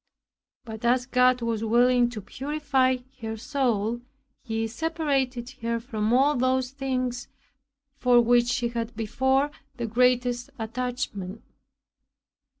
But as God was willing to purify her soul, He separated her from all those things for which she had before the greatest attachment.